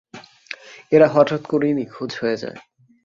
এরা হঠাৎ করেই নিখোঁজ হয়ে যায়।